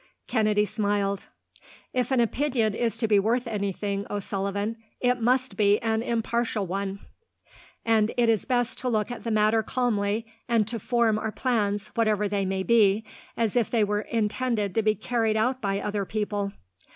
Kennedy smiled. "If an opinion is to be worth anything, O'Sullivan, it must be an impartial one; and it is best to look at the matter calmly, and to form our plans, whatever they may be, as if they were intended to be carried out by other people."